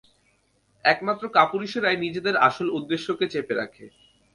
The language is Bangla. একমাত্র কাপুরুষেরাই নিজেদের আসল উদ্দেশ্যকে চেপে রাখে।